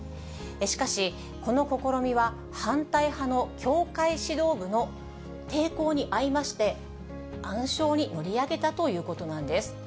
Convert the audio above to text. しかし、この試みは、反対派の教会指導部の抵抗に遭いまして、暗礁に乗り上げたということなんです。